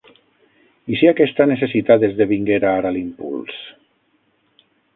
I si aquesta necessitat esdevinguera ara l'impuls?